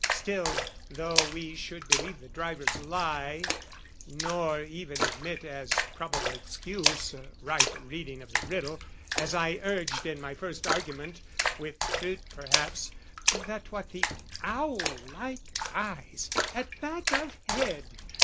Still, though we should believe the driver's lie, Nor even admit as probable excuse, Right reading of the riddle, as I urged In my first argument, with fruit perhaps That what the owl like eyes (at back of head!)